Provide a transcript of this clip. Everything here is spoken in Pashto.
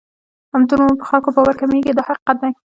همدومره مو پر خلکو باور کمیږي دا حقیقت دی.